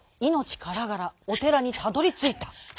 からがらおてらにたどりついた。